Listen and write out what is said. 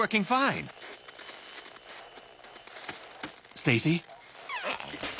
ステイシー。